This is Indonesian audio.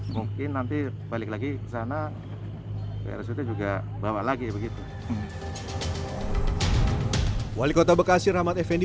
mungkin nanti balik lagi ke sana rsud juga bawa lagi begitu wali kota bekasi rahmat effendi